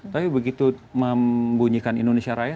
tapi begitu membunyikan indonesia raya